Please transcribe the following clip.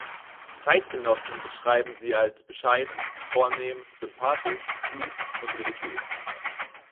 Zeitgenossen beschrieben sie als bescheiden, vornehm, sympathisch, klug und religiös.